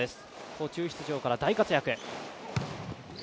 途中出場から大活躍。